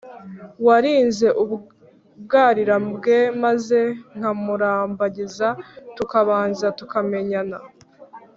warinze ubwari bwe maze nkamurambagiza tukabanza tukamenyana,